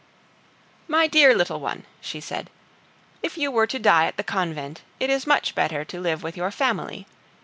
"My dear little one," she said, "if you were to die at the convent, it is much better to live with your family.